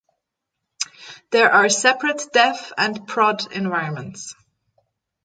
There are separate dev and prod environments